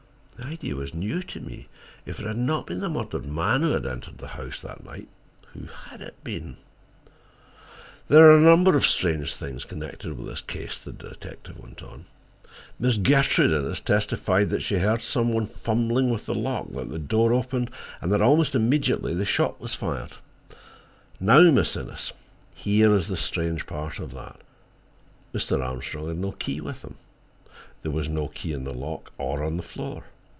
The idea was new to me. If it had not been the murdered man who had entered the house that night, who had it been? "There are a number of strange things connected with this case," the detective went on. "Miss Gertrude Innes testified that she heard some one fumbling with the lock, that the door opened, and that almost immediately the shot was fired. Now, Miss Innes, here is the strange part of that. Mr. Armstrong had no key with him. There was no key in the lock, or on the floor.